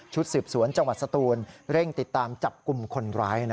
สืบสวนจังหวัดสตูนเร่งติดตามจับกลุ่มคนร้าย